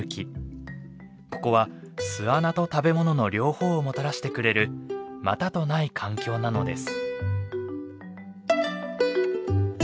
ここは巣穴と食べ物の両方をもたらしてくれるまたとない環境なのです。